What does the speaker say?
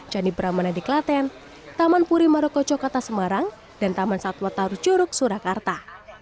candi pramana di klaten taman puri marokocho kota semarang dan taman satwa taru curug surakarta